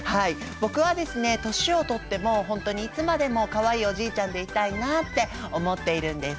僕はですね年を取っても本当にいつまでもかわいいおじいちゃんでいたいなって思っているんです。